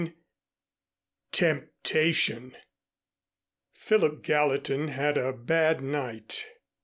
XXI TEMPTATION Philip Gallatin had a bad night.